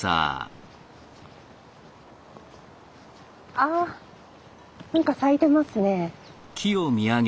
あ何か咲いてますね。